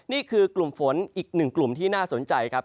นี่คือกลุ่มฝนอีกหนึ่งกลุ่มที่น่าสนใจครับ